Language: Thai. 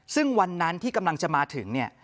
ซึ่งวันนั้นที่กำลังจะมาถึงเนี่ย